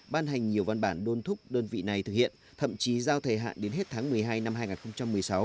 ban hành nhiều văn bản đôn thúc đơn vị này thực hiện thậm chí giao thời hạn đến hết tháng một mươi hai năm hai nghìn một mươi sáu